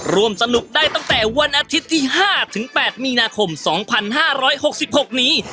ร่วมสนุกได้ตั้งแต่วันอาทิตย์ที่๕๘มีนาคม๒๕๖๖นี้